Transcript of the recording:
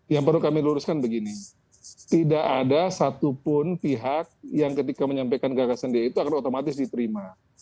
yang perlu kami luruskan begini tidak ada satupun pihak yang ketika menyampaikan gagasan dia itu akan otomatis diterima